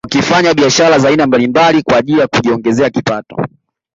Wakifanya biashara za aina mbalimbali kwa ajili ya kujiongezea kipato